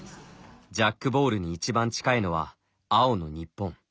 ジャックボールに一番近いのは青の日本。